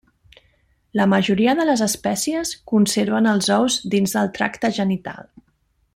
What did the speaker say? La majoria de les espècies conserven els ous dins del tracte genital.